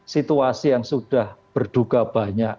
situasi yang sudah berduka banyak